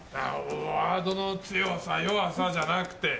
ワードの強さ弱さじゃなくて